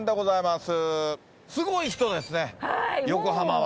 すごい人ですね横浜は。